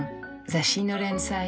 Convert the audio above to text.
雑誌の連載